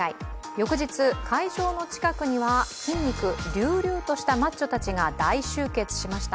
翌日、会場の近くには筋肉隆々としたマッチョたちが大集結しました。